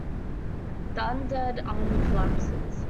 The undead army collapses.